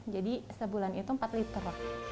jadi sebulan itu empat liter